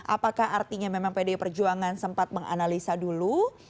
apakah artinya memang pdi perjuangan sempat menganalisa dulu